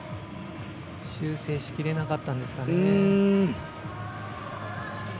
修正しきれなかったんですかね。